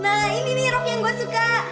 nah ini nih rock yang gue suka